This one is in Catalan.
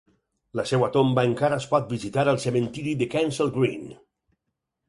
La seva tomba encara es pot visitar al cementiri de Kensal Green.